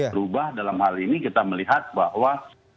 berubah dalam hal ini kita melihat bahwa